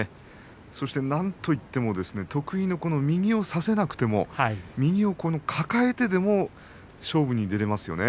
そしてなんといっても得意の右を差せなくても右を抱えてでも勝負に出られますよね。